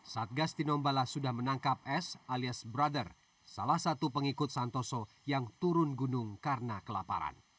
satgas tinombala sudah menangkap s alias brother salah satu pengikut santoso yang turun gunung karena kelaparan